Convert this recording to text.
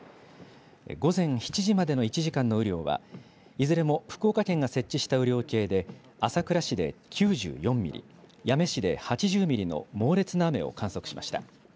午前７時までの１時間の雨量は、いずれも福岡県が設置した雨量計で朝倉市で９４ミリ、八女市で８０ミリの猛烈な雨を観測しました。